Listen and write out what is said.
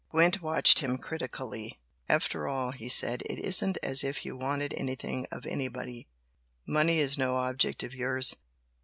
Gwent watched him critically. "After all," he said, "It isn't as if you wanted anything of anybody. Money is no object of yours.